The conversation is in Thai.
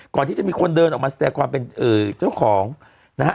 ก่อนที่จะมีคนเดินออกมาแสดงความเป็นเจ้าของนะฮะ